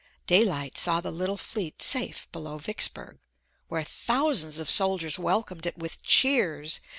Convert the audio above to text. Daylight saw the little fleet safe below Vicksburg, where thousands of soldiers welcomed it with cheers.